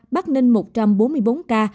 bắc ninh một trăm bốn mươi bốn ca